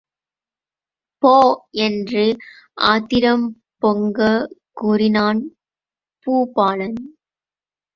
போ! என்று ஆத்திரம் பொங்கக் கூறினான் பூபாலன்.